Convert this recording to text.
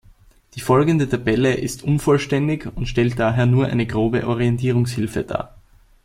Die folgende Tabelle ist unvollständig und stellt daher nur eine grobe Orientierungshilfe dar.